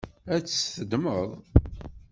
Ad tt-teddmeḍ?